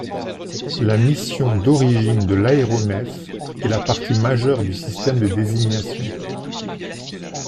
La mission d'origine de l'aéronef est la partie majeure du système de désignation.